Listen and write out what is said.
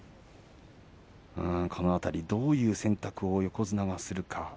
この辺りどういう選択を横綱がするか。